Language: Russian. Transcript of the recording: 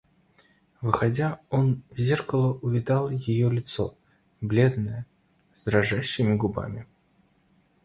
Выходя, он в зеркало увидал ее лицо, бледное, с дрожащими губами.